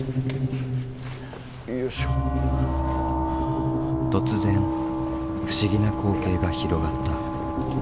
突然不思議な光景が広がった。